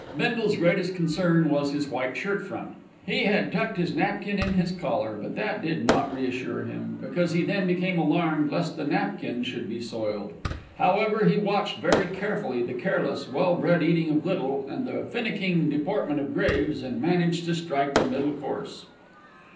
Bindle's greatest concern was his white shirt front. He had tucked his napkin in his collar, but that did not reassure him, because he then became alarmed lest the napkin should be soiled. However, he watched very carefully the careless, well bred eating of Little and the finicking deportment of Graves, and managed to strike the middle course.